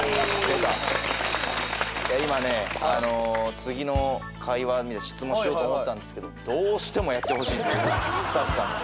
今ね次の質問しようと思ったんですけどどうしてもやってほしいということでスタッフさんが。